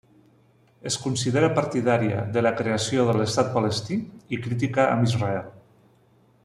Es considera partidària de la creació de l'estat palestí i crítica amb Israel.